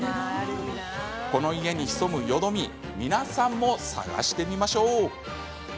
この家に潜むよどみ皆さんも探してみましょう。